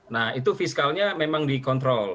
nah itu fiskalnya memang dikontrol